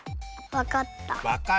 わかった？